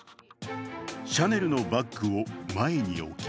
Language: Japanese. シャネルのバッグを前に置き